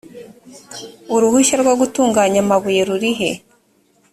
uruhushya rwo gutunganya amabuye rurihe